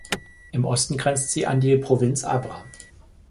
Im Osten grenzt sie an die Provinz Abra.